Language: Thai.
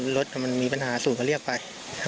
รถมันมีปัญหาสูตรก็เรียกไป